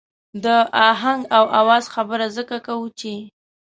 د آهنګ او آواز خبره ځکه کوو چې.